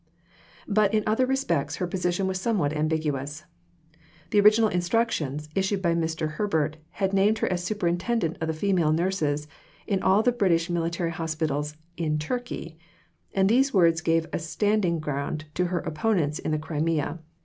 But in other respects her position was somewhat ambiguous. The original instructions, issued by Mr. Herbert, had named her as Superintendent of the female nurses in all the British military hospitals in Turkey; and these words gave a standing ground to her opponents in the Crimea.